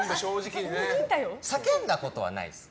叫んだことはないです。